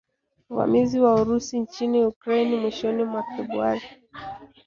uvamizi wa Urusi nchini Ukraine mwishoni mwa Februari